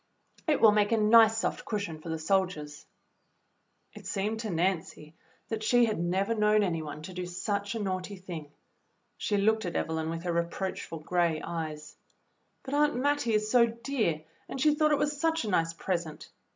"It will make a nice soft cushion for the soldiers." It seemed to Nancy that she had never known any one to do such a naughty thing. She looked at 48 THE BLUE AUNT Evelyn with her reproachful gray eyes. "But Aunt Mattie is so dear, and she thought it was such a nice present."